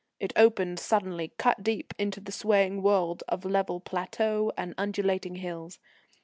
It opens suddenly, cut deep into the swaying world of level plateaux and undulating hills.